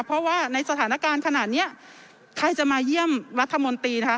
เพราะว่าในสถานการณ์ขนาดนี้ใครจะมาเยี่ยมรัฐมนตรีนะคะ